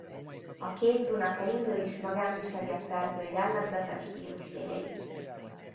A Kék Duna keringő is magán viseli a szerző jellegzetes stílusjegyeit.